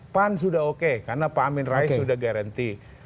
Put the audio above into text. pan sudah oke karena pak amin rais sudah garanti